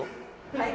はい。